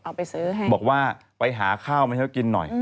เอาไปซื้อให้บอกว่าไปหาข้าวมาให้เขากินหน่อย